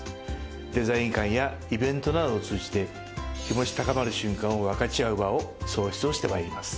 デザイン缶やイベントなどを通じて「気持ち高まる瞬間を分かち合う」場を創出して参ります。